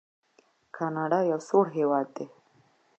کاناډا یو سوړ هیواد دی.